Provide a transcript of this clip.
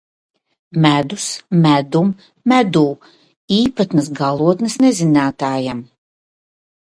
Medus, medum, medū - īpatnas galotnes nezinātājam.